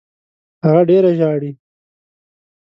هغه ډېره ژاړي.